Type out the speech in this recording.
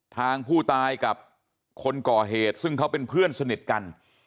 ทางผู้ตายกับคนก่อเหตุซึ่งเขาเป็นเพื่อนสนิทกัน